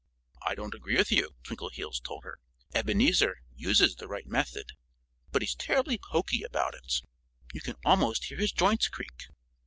"I don't agree with you," Twinkleheels told her. "Ebenezer uses the right method. But he's terribly poky about it. You can almost hear his joints creak."